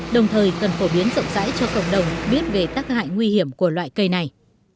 đồng thời cần phổ biến rộng rãi cho cộng đồng biết về tác hại nguy hiểm của loại cây này